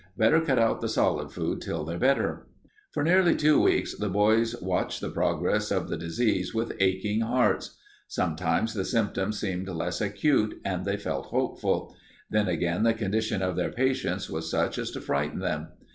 Better cut out the solid food till they're better." For nearly two weeks the boys watched the progress of the disease with aching hearts. Sometimes the symptoms seemed less acute and they felt hopeful; then again the condition of their patients was such as to frighten them.